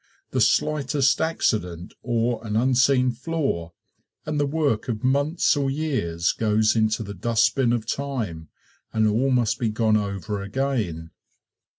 The slightest accident or an unseen flaw, and the work of months or years goes into the dustbin of time, and all must be gone over again.